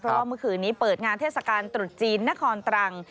เพราะว่าเมื่อคืนนี้เปิดงานเทศกาลตรุษจีนนครตรัง